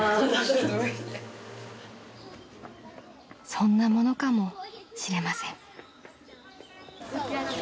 ［そんなものかもしれません］